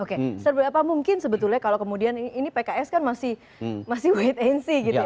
oke seberapa mungkin sebetulnya kalau kemudian ini pks kan masih wait and see gitu ya